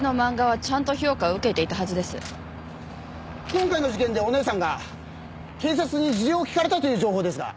今回の事件でお姉さんが警察に事情を聞かれたという情報ですが？